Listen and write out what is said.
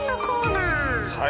はい。